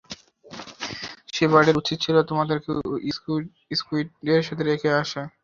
শেফার্ডের উচিৎ ছিল তোমাদেরকে স্কুইডদের সাথে রেখে আসা।